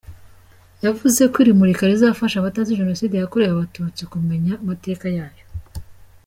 Yavuze ko iri murika rizafasha abatazi Jenoside yakorewe Abatutsi kumenya amateka yayo.